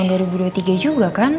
tahun dua ribu dua puluh tiga juga kan